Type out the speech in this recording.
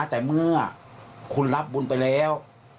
แต่เมื่อคุณรับบุญไปแล้ว